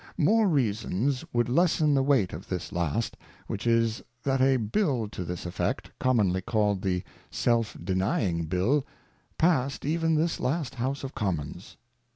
More Reasons would lessen the Weight of this last, which is, That a Bill to this effect, commonly called the Self Denying Bill, pass'd even this last House of Commons.